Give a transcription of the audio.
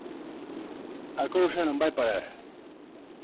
A cousa non vai parar.